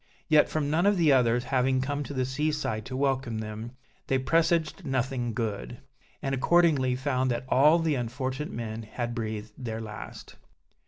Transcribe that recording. Yet, from none of the others having come to the sea side to welcome them, they presaged nothing good; and accordingly found that all the unfortunate men had breathed their last.